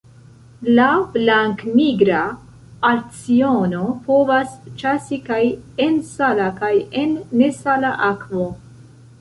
La Blanknigra alciono povas ĉasi kaj en sala kaj en nesala akvo.